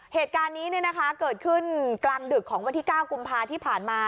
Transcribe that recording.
เหตุการณ์นี้เกิดขึ้นกลางดึกของวันที่๙กุมภาที่ผ่านมา